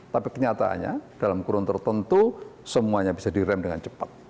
tapi kenyataannya dalam kurun tertentu semuanya bisa direm dengan cepat